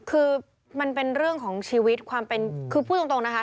คือมันเป็นเรื่องของชีวิตความเป็นคือพูดตรงนะคะ